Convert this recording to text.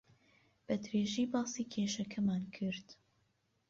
بەدرێژی باسی کێشەکەمان کرد.